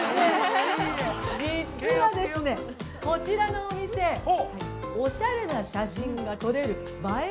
実はですね、こちらのお店、おしゃれな写真が撮れる映え